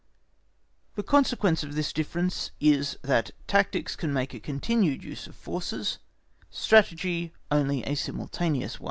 The consequence of this difference is, that tactics can make a continued use of forces, Strategy only a simultaneous one.